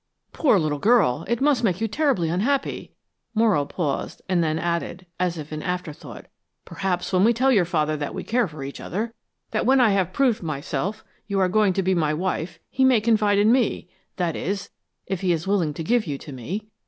"Poor little girl! It must make you terribly unhappy." Morrow paused, and then added, as if in afterthought: "Perhaps when we tell your father that we care for each other, that when I have proved myself you are going to be my wife, he may confide in me that is, if he is willing to give you to me.